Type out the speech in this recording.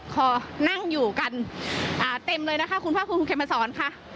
ขอนั่งอยู่กันเต็มเลยนะคะคุณภาคภูมิคุณเขมมาสอนค่ะ